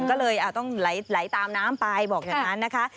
ก็เลยต้องไหลตามน้ำไปบอกอย่างนั้นนะคะ